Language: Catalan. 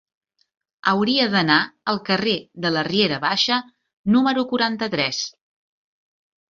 Hauria d'anar al carrer de la Riera Baixa número quaranta-tres.